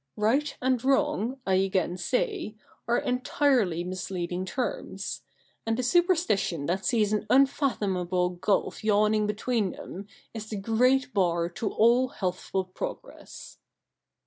Right and wrong, I again say, are entirely misleading terms ; and the superstition that sees an unfathomable gulf yawning between them is the great bar to all healthful progress.'